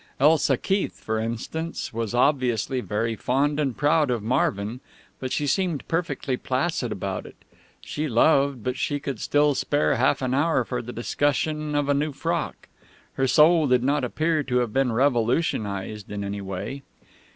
Elsa Keith, for instance, was obviously very fond and proud of Marvin, but she seemed perfectly placid about it. She loved, but she could still spare half an hour for the discussion of a new frock. Her soul did not appear to have been revolutionized in any way.